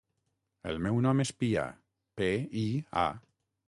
El meu nom és Pia: pe, i, a.